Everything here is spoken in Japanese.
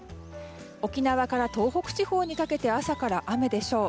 沖縄から東北地方にかけて朝から雨でしょう。